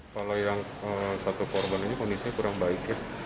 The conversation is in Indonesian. kalau yang satu korban ini kondisinya kurang baik ya